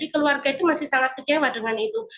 keluarga itu masih sangat kecewa dengan itu